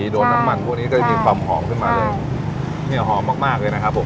โดนน้ำมันพวกนี้ก็จะมีความหอมขึ้นมาเลยเนี่ยหอมมากมากเลยนะครับผม